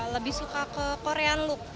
lebih suka ke korea look